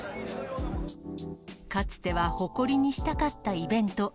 かつては誇りにしたかったイベント。